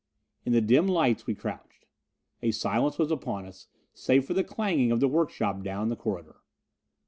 In the dim lights we crouched. A silence was upon us, save for the clanging in the workshop down the corridor.